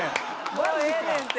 もうええねんて。